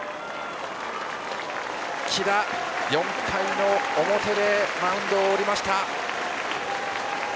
木田、４回の表でマウンドを降りました。